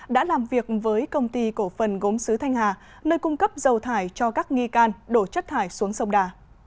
đã làm việc với công ty cổ phần gốm sứ thanh hà nơi cung cấp dầu thải cho các nghi can đổ chất thải xuống sông đà